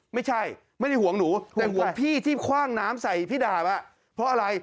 ไม่ใช่ไม่ได้ห่วงหนูแต่ห่วงพี่ที่คว่างน้ำใส่พี่ดาบเพราะอะไร